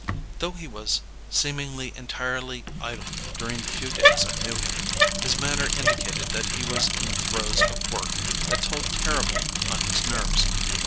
Though he was seemingly entirely idle during the few days I knew him, his manner indicated that he was in the throes of work that told terribly on his nerves.